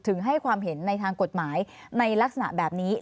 ให้ความเห็นในทางกฎหมายในลักษณะแบบนี้